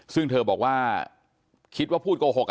ซึ่งเธอบอกว่าคิดว่าพูดโกหก